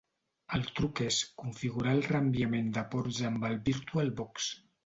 El truc és configurar el reenviament de ports amb el Virtual Box.